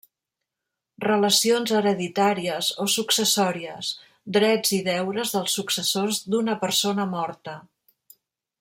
Relacions hereditàries o successòries: drets i deures dels successors d'una persona morta.